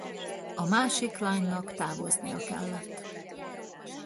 A másik lánynak távoznia kellett.